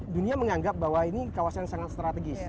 dunia menganggap bahwa ini kawasan yang sangat strategis